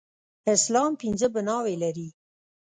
اسلام پنځه بناوې لري.